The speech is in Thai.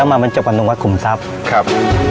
มาบรรจบกันตรงวัดขุมทรัพย์ครับ